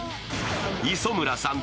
磯村さん